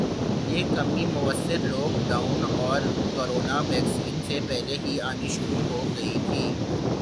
یہ کمی موثر لوک ڈاون اور کورونا ویکسین سے پہلے ہی آنی شروع ہو گئی تھی